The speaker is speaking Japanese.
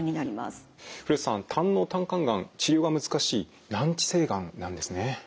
古瀬さん胆のう・胆管がん治療が難しい難治性がんなんですね。